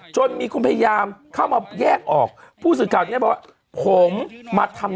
โจดมีคุณพยายามเข้ามาแยกออกผู้สินเกาะเราบอกว่าผมมาทำ